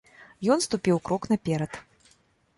Ён ступіў крок наперад.